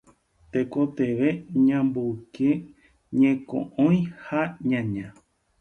tekotevẽ ñamboyke ñeko'õi ha ñaña.